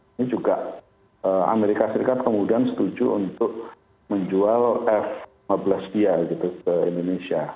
ini juga amerika serikat kemudian setuju untuk menjual f lima belas g ke indonesia